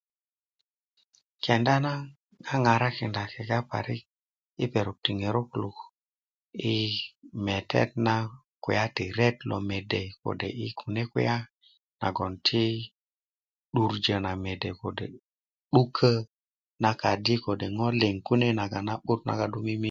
kenda na ŋaŋarakinda kegga parik yi perok ti ŋerot kulu yi metet na kulya ti ret lo mede kode' yi kune' kulya nagon ti 'durjö na mede kode' 'dukö na kadi kode' ŋo liŋ kune' naga do mimi